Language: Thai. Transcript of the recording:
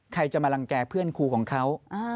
ใครจะมารังแก่เพื่อนครูของเขา